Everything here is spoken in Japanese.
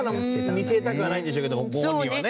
見せたくはないんでしょうけどもご本人はね。